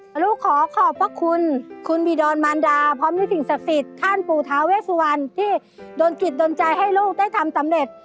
ลูกขอขอบพระคุณคุณบีดอนมารดาพร้อมด้วยสิ่งศักดิ์สิทธิ์ท่านปู่ทาเวสุวรรณที่โดนจิตโดนใจให้ลูกได้ทำสำเร็จ